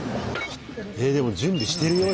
えっでも準備してるよ